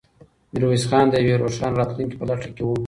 میرویس خان د یوې روښانه راتلونکې په لټه کې و.